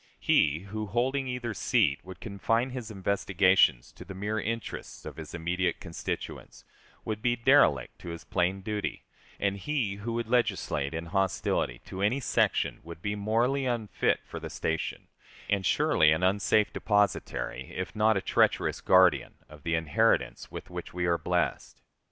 He, who, holding either seat, would confine his investigations to the mere interests of his immediate constituents, would be derelict to his plain duty; and he who would legislate in hostility to any section would be morally unfit for the station, and surely an unsafe depositary, if not a treacherous guardian, of the inheritance with which we are blessed.